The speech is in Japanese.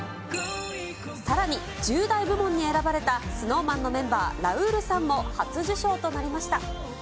さらに、１０代部門に選ばれたＳｎｏｗＭａｎのメンバー、ラウールさんも初受賞となりました。